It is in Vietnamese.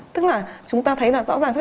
tức là chúng ta thấy là rõ ràng